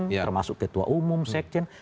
termasuk ketua umum sekjen